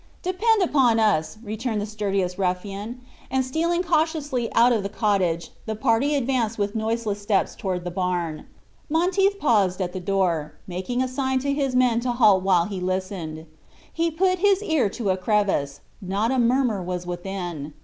"Depend upon us," returned the sturdiest ruffian; and stealing cautiously out of the cottage, the party advanced with noiseless steps toward the barn. Monteith paused at the door, making a sign to his men to halt while he listened. He put his ear to a crevice not a murmur was within.